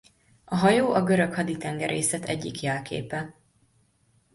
A hajó a görög haditengerészet egyik jelképe.